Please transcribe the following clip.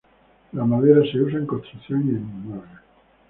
La madera se usa en construcción y en muebles.